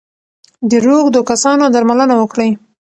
د روږدو کسانو درملنه وکړئ.